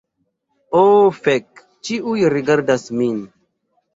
Oh fek, ĉiuj rigardas min